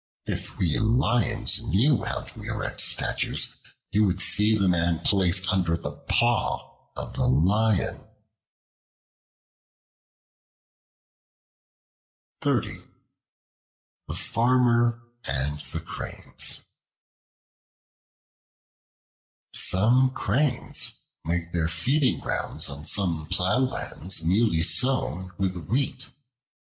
If we Lions knew how to erect statues, you would see the Man placed under the paw of the Lion." One story is good, till another is told. The Farmer and the Cranes SOME CRANES made their feeding grounds on some plowlands newly sown with wheat.